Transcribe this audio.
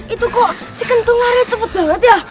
itu kok si kentung lari cepet banget ya